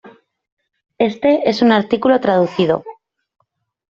Este es un artículo traducido.